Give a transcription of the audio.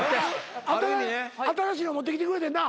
新しいの持ってきてくれてんな。